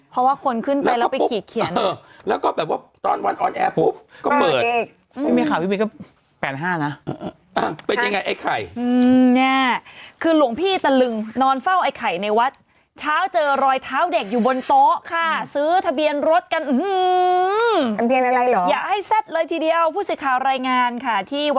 เพราะว่าคนขึ้นไปแล้วไปเขียนแล้วก็ปุ๊บแล้วก็แบบว่า